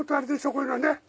こういうのね。